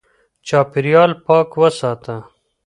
چاپېريال پاک وساته